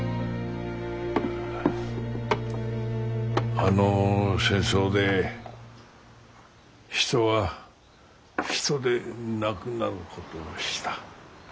あの戦争で人は人でなくなることをした。